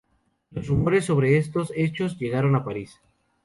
Los rumores sobre estos hechos llegaron a París.